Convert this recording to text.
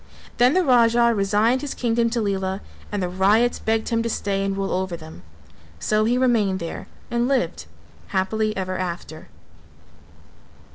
Then the Raja resigned his kingdom to Lela and the ryots begged him to stay and rule over them; so he remained there and lived happily ever after.